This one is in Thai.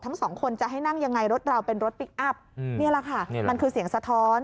ทั้งสองคนจะให้นั่งยังไงรถเราเป็นรถพลิกอัพนี่แหละค่ะมันคือเสียงสะท้อน